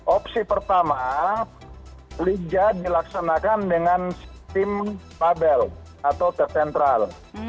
opsi pertama liga dilaksanakan dengan sistem pabel atau tercentral